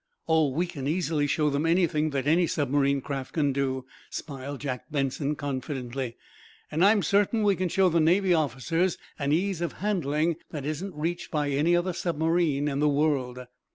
"Oh, we can easily show them anything that any submarine craft can do," smiled Jack Benson, confidently. "And I'm certain we can show the Navy officers an ease of handling that isn't reached by any other submarine in the world."